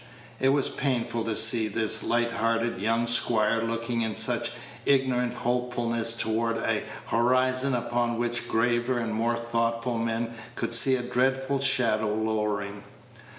It was painful to see this light hearted young squire looking in such ignorant hopefulness toward a horizon upon which graver and more thoughtful men could see a dreadful shadow lowering.